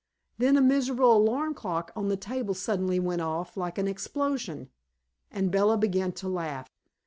Then a miserable alarm clock on the table suddenly went off like an explosion, and Bella began to laugh.